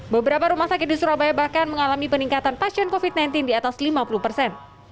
beberapa rumah sakit di surabaya bahkan mengalami peningkatan pasien covid sembilan belas di atas lima puluh persen